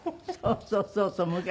そうそうそうそう。